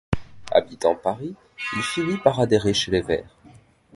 Habitant Paris, il finit par adhérer chez Les Verts.